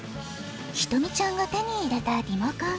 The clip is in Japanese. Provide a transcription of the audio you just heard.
ひとみちゃんがてにいれたリモコン。